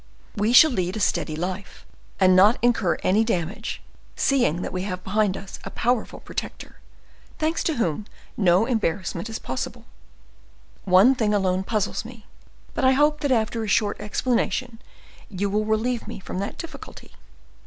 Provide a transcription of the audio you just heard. We shall lead a steady life, and not incur much danger, seeing that we have behind us a powerful protector, thanks to whom no embarrassment is possible. One thing alone puzzles me; but I hope that after a short explanation, you will relieve me from that difficulty.